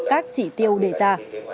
các chỉ tiêu đề ra